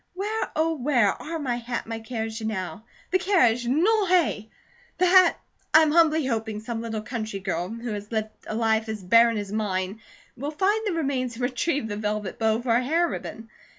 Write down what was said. Where, oh, where are my hat and my carriage now? The carriage, non est! The hat I am humbly hoping some little country girl, who has lived a life as barren as mine, will find the remains and retrieve the velvet bow for a hair ribbon.